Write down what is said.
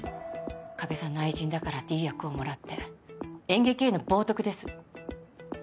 加部さんの愛人だからっていい役をもらって演劇への冒涜です。